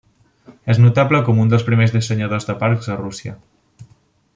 És notable com un dels primers dissenyadors de parcs a Rússia.